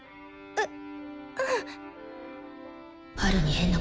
うっ！